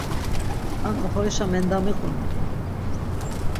Man oxorişa mendamiqoni.